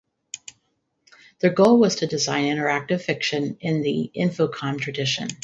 Their goal was to design interactive fiction in the Infocom tradition.